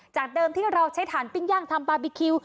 เดิมที่เราใช้ฐานปิ้งย่างทำบาร์บีคิว